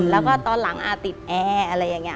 แล้วก็ตอนหลังติดแอร์อะไรอย่างนี้